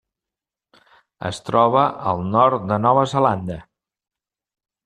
Es troba al nord de Nova Zelanda.